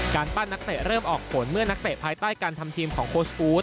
ปั้นนักเตะเริ่มออกผลเมื่อนักเตะภายใต้การทำทีมของโค้ชฟู้ด